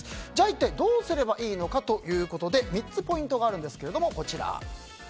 一体どうすればいいのかということで３つポイントがあるんです。